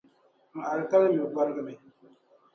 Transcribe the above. N alkalmi bɔrgimi.